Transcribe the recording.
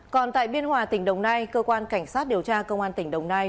còn tại biên hòa tỉnh đồng nai cơ quan cảnh sát điều tra công an tỉnh đồng nai